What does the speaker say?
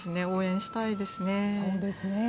応援したいですね。